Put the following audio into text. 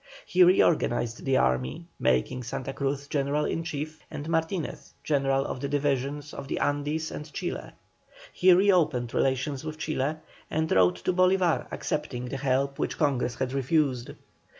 He reorganized the army, making Santa Cruz general in chief, and Martinez general of the division of the Andes and Chile. He reopened relations with Chile, and wrote to Bolívar accepting the help which Congress had refused.